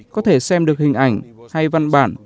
có thể xem được hình ảnh hay văn bản